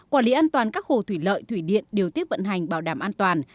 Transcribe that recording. quản lý an toàn các hồ thủy lợi thủy điện điều tiết vận hành bảo đảm an toàn